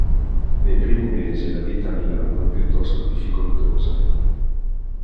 Nei primi mesi la vita a Milano è piuttosto difficoltosa.